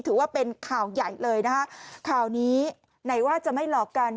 ถือว่าเป็นข่าวใหญ่เลยนะคะข่าวนี้ไหนว่าจะไม่หลอกกัน